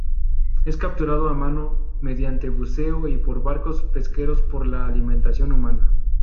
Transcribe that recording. Es capturado a mano, mediante buceo y por barcos pesqueros, para la alimentación humana.